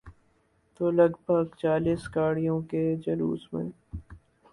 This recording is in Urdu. تو لگ بھگ چالیس گاڑیوں کے جلوس میں۔